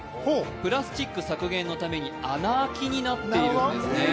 プラスチック削減のため穴開きになっているんですね。